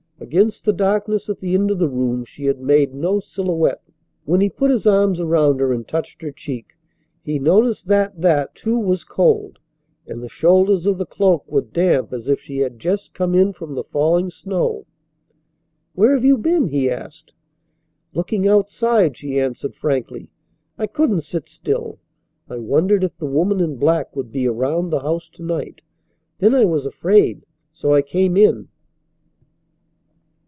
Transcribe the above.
Against the darkness at the end of the room she had made no silhouette. When he put his arms around her and touched her cheek, he noticed that that, too, was cold; and the shoulders of the cloak were damp as if she had just come in from the falling snow. "Where have you been?" he asked. "Looking outside," she answered frankly. "I couldn't sit still. I wondered if the woman in black would be around the house to night. Then I was afraid, so I came in."